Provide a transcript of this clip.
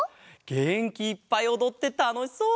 げんきいっぱいおどってたのしそう！